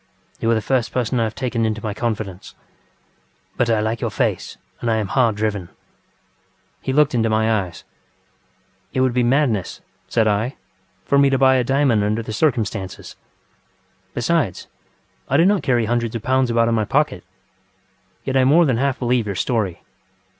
You are the first person I have taken into my confidence. But I like your face and I am hard driven. ŌĆØ He looked into my eyes. ŌĆ£It would be madness, ŌĆØ said I, ŌĆ£for me to buy a diamond under the circumstances. Besides, I do not carry hundreds of pounds about in my pocket. Yet I more than half believe your story.